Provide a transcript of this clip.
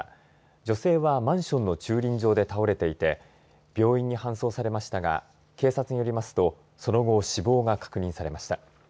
女性はマンションの駐輪場で倒れていて病院に搬送されましたが警察によりますとその後、死亡が確認されました。